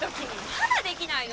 まだできないの？